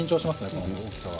この大きさは。